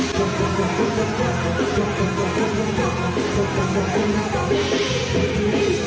สวัสดีครับ